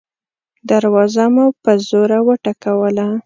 دروازه مو په زوره وټکوله.